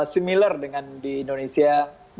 similar dengan di indonesia